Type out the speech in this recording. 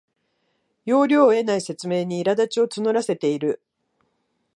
要領を得ない説明にいらだちを募らせている